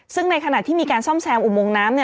ซึ่งในขณะที่มีการซ่อมแซมอุโมงน้ำ